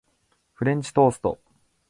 フレンチトースト